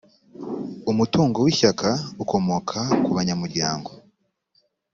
umutungo w’ishyaka ukomoka ku banyamuryango